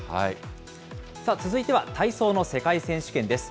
続いては体操の世界選手権です。